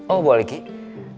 oh boleh kiki